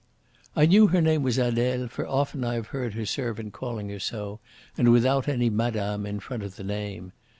"I knew her name was Adele, for often I have heard her servant calling her so, and without any 'Madame' in front of the name.